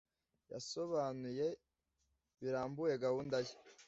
yasobanuye birambuye gahunda ye.